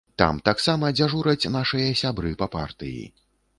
Там таксама дзяжураць нашыя сябры па партыі.